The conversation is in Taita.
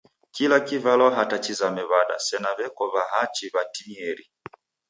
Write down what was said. Kila kivalwa hata chizame w'ada sena w'eko w'ahachi w'atinieri.